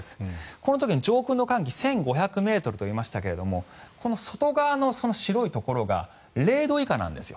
この時に上空の寒気１５００ｍといいましたがこの外側の白いところが０度以下なんですよ。